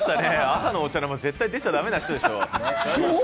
朝のお茶の間に絶対出ちゃだめな人でしょ。